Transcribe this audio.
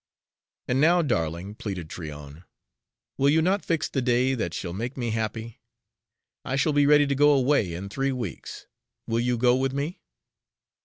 "And now, darling," pleaded Tryon, "will you not fix the day that shall make me happy? I shall be ready to go away in three weeks. Will you go with me?"